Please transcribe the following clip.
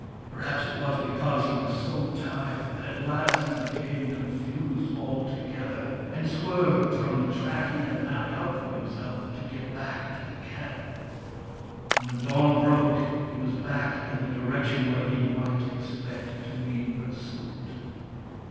Perhaps it was because he was so tired that at last he became con WURIP, THE FIRE BRINGER 255 fused altogether, and swerved from the track he had mapped out for himself to get back to the camp ; and when dawn broke he was back in the direction where he might expect to meet pursuit.